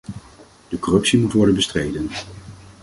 De corruptie moet worden bestreden.